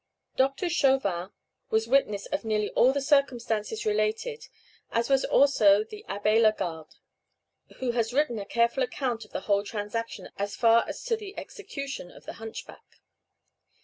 Doctor Chauvin was witness of nearly all the circumstances related, as was also the Abbé Lagarde, who has written a careful account of the whole transaction as far as to the execution of the hunchback.